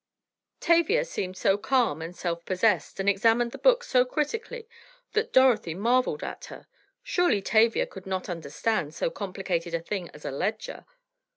Tavia seemed so calm and self possessed and examined the books so critically that Dorothy marveled at her! Surely Tavia could not understand so complicated a thing as a ledger!